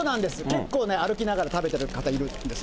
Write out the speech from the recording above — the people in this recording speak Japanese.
結構ね、歩きながら食べてる方いるんです。